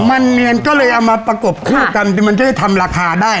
มันเนียนก็เลยเอามาประกบคู่กันเดี๋ยวมันจะได้ทำราคาได้